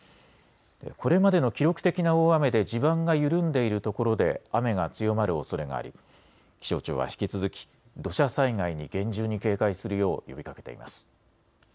これまでの記録的な大雨で地盤が緩んでいるところで雨が強まるおそれがあり気象庁は引き続き土砂災害に厳重に警戒するよう呼びかけています。